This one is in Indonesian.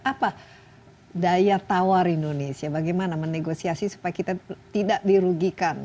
apa daya tawar indonesia bagaimana menegosiasi supaya kita tidak dirugikan